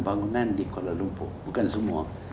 bangunan di kuala lumpuh bukan semua